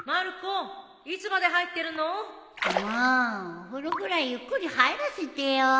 んもうお風呂ぐらいゆっくり入らせてよ。